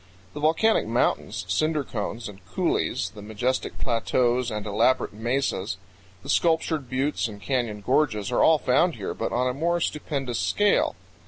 The volcanic mountains, cinder cones, and coulees, the majestic plateaus and elaborate mesas, the sculptured buttes and canyon gorges, are all found here, but on a more stupendous scale.